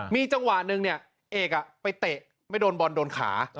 มีจังหวะหนึ่งเนี่ยเอกไปเตะไม่โดนบอลโดนขา